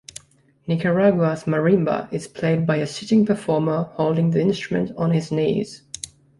Nicaragua's marimba is played by a sitting performer holding the instrument on his knees.